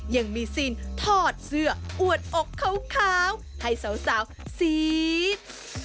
ยังมีซีนถอดเสื้ออวดอกขาวให้สาวซีด